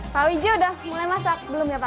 pak widjo sudah mulai masak belum ya pak